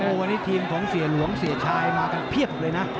วันนี้ทีมของเสียหลวงเสียชายมากันเพียบเลยนะ